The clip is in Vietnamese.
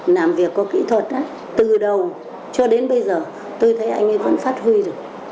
làm việc có kỹ thuật từ đầu cho đến bây giờ tôi thấy anh ấy vẫn phát huy được